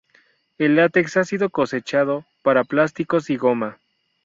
El látex ha sido cosechado para plásticos y goma.